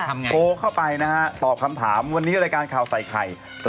โค้กเข้าไปตอบคำถามวันนี้รายการข่าวใส่ใคร